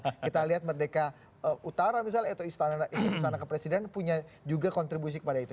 kita lihat merdeka utara misalnya atau istana kepresiden punya juga kontribusi kepada itu